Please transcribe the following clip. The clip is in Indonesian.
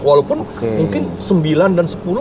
walaupun mungkin sembilan dan sepuluh